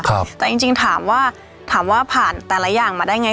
แต่จริงจริงถามว่าถามว่าผ่านแต่ละอย่างมาได้ไง